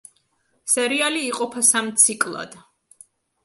სერიალი იყოფა სამ ციკლად.